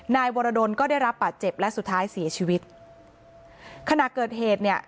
นายวรดลก็ได้รับบาดเจ็บและสุดท้ายเสียชีวิตขณะเกิดเหตุเนี่ย